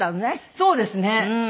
そうですね。